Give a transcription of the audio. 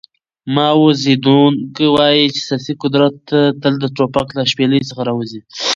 ماو زیډونګ وایي چې سیاسي قدرت تل د ټوپک له شپېلۍ څخه راوځي.